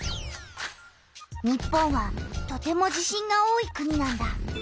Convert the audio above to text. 日本はとても地震が多い国なんだ。